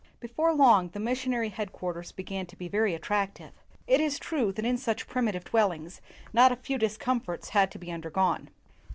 Before long, the missionary headquarters began to be very attractive. It is true that in such primitive dwellings not a few discomforts had to be undergone.